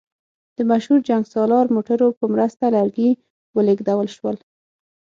د مشهور جنګسالار موټرو په مرسته لرګي ولېږدول شول.